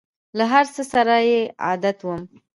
له هر څه سره یې عادت وم !